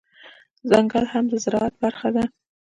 ځنګل هم د زرعت برخه ده